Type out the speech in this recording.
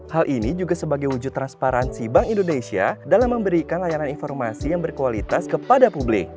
hal ini juga sebagai wujud transparansi bank indonesia dalam memberikan layanan informasi yang berkualitas kepada publik